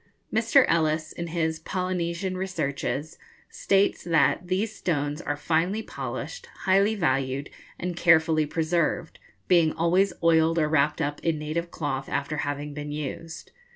Mr. Ellis, in his 'Polynesian Researches,' states that 'these stones are finely polished, highly valued, and carefully preserved, being always oiled or wrapped up in native cloth after having been used.